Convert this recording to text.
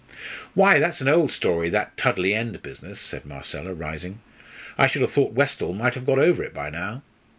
"Why, that's an old story that Tudley End business " said Marcella, rising. "I should have thought Westall might have got over it by now."